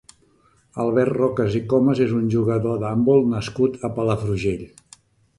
Albert Rocas i Comas és un jugador d'handbol nascut a Palafrugell.